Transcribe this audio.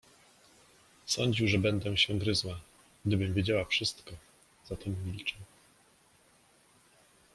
"Sądził, że będę się gryzła, gdybym wiedziała wszystko, zatem milczał."